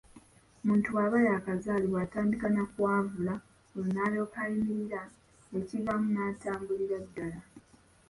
Muntu bw’aba yaakazaalibwa atandika na kwavula olwo n'alyoka ayimirira ekivaamu n'atambulira ddala.